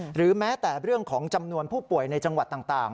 หรือแม้แต่เรื่องของจำนวนผู้ป่วยในจังหวัดต่าง